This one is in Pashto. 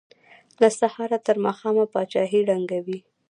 له سهاره تر ماښامه پاچاهۍ ړنګوي.